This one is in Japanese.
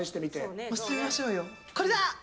これだ！